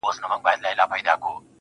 زه به د څو شېبو لپاره نور.